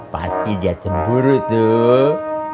pasti dia cemburu tuh